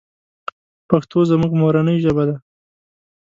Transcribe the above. پښتو زمونږ مورنۍ ژبه ده.